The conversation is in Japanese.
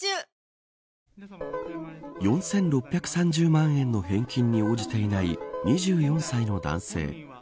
４６３０万円の返金に応じていない２４歳の男性。